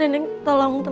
sebentar sebentar sebentar